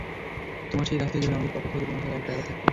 তোমার সেই রাস্তায় যাবে আমাদের পক্ষ হতে তোমরা ছাড়া এক ড্রাইভার থাকবে।